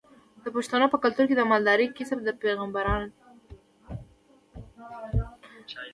د پښتنو په کلتور کې د مالدارۍ کسب د پیغمبرانو دی.